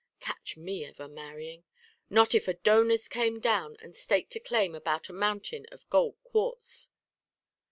Catch me ever marrying! Not if Adonis came down and staked a claim about a mountain of gold quartz.